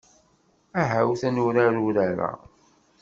Ahawt ad nurar urar-a.